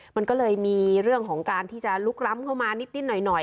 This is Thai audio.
มันก็เลยมีเรื่องของการที่จะลุกล้ำเข้ามานิดหน่อย